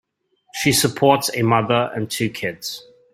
She supports a mother and two kids.